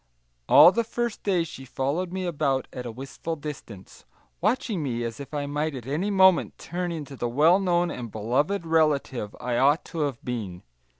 All the first day she followed me about at a wistful distance, watching me as if I might at any moment turn into the well known and beloved relative I ought to have been.